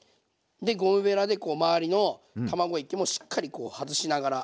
でゴムベラでこう周りの卵液もしっかりこう外しながら。